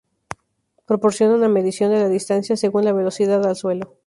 Proporciona una medición de la distancia según la velocidad al suelo.